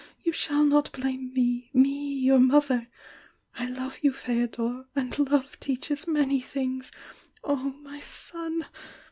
You shall not blame me,— me, your mother! I love you, F&dor!— and love teaches many things! Oh, my son!